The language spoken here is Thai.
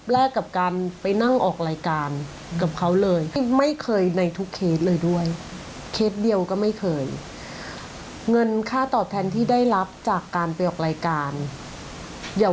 ลองฟังเสียงธนายนิด้าหน่อย